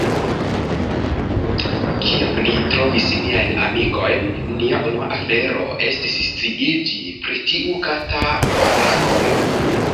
Kiam ni trovis niajn amikojn, nia unua afero estis sciiĝi pri tiu kata orakolo.